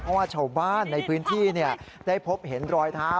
เพราะว่าชาวบ้านในพื้นที่ได้พบเห็นรอยเท้า